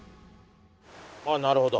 あっなるほど。